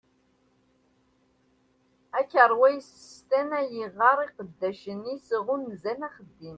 Akerwa yessestan ayɣeṛ iqeddacen-is ɣunzan axeddim.